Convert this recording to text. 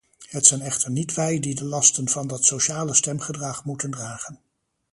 Het zijn echter niet wij die de lasten van dat sociale stemgedrag moeten dragen.